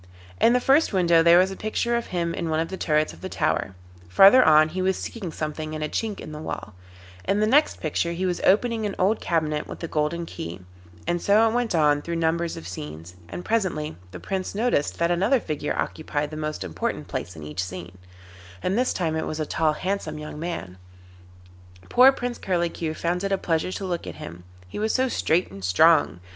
In the first window there was a picture of him in one of the turrets of the tower, farther on he was seeking something in a chink in the wall, in the next picture he was opening an old cabinet with a golden key, and so it went on through numbers of scenes, and presently the Prince noticed that another figure occupied the most important place in each scene, and this time it was a tall handsome young man: poor Prince Curlicue found it a pleasure to look at him, he was so straight and strong.